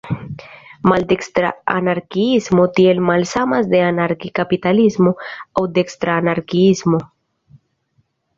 Maldekstra anarkiismo tiel malsamas de anarki-kapitalismo aŭ "dekstra" anarkiismo.